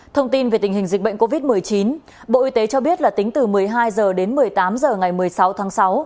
thông tin về tình hình dịch bệnh covid một mươi chín bộ y tế cho biết là tính từ một mươi hai h đến một mươi tám h ngày một mươi sáu tháng sáu